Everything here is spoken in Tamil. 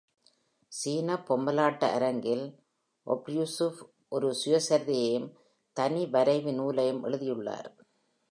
சீன பொம்மலாட்ட அரங்கில் Obraztsov ஒரு சுயசரிதையையும் தனிவரைவு நூலையும் எழுதியுள்ளார்.